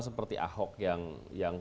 seperti ahok yang